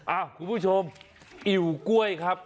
อ้าวคุณผู้ชมอิวกล้วยครับ